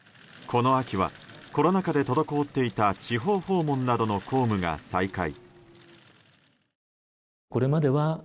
この秋はコロナ禍で滞っていた地方訪問などの公務が再開。